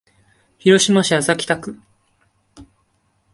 広島市安佐北区